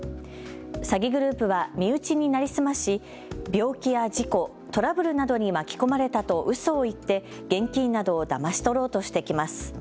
詐欺グループは身内に成り済まし病気や事故、トラブルなどに巻き込まれたとうそを言って現金などをだまし取ろうとしてきます。